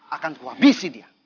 akan ku habisi dia